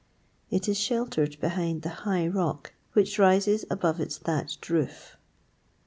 It is sheltered behind by the high rock which rises above its thatched roof.